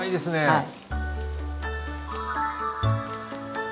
はい。